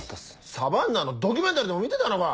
サバンナのドキュメンタリーでも見てたのか！